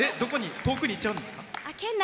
遠くに行っちゃうんですか？